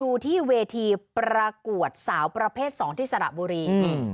ดูที่เวทีประกวดสาวประเภทสองที่สระบุรีอืม